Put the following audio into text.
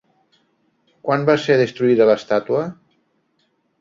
Quan va ser destruïda l'estàtua?